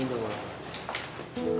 kamu gak boleh sedih kan